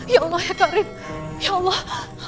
ya allah ya tarib ya allah